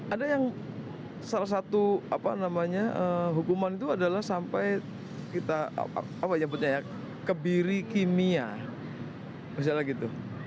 ada yang salah satu apa namanya hukuman itu adalah sampai kita apa ya buatnya ya kebiri kimia misalnya gitu